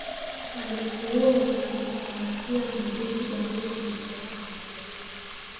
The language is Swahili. Alimteua mwanadiplomasia mbobezi balozi Liberata Mulamula